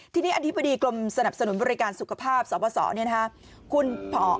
ทีนี้อธิบดีกรมสนับสนุนบริการสุขภาพสบส